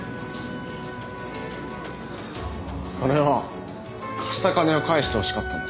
それは貸した金を返してほしかったので。